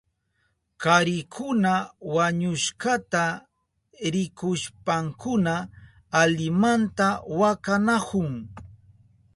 Karikuna wañushkata rikushpankuna alimanta wakanahun.